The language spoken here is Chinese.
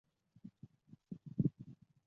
该物种的模式产地在马达加斯加。